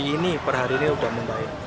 ini per hari ini sudah mendaik